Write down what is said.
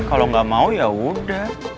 kalau nggak mau ya udah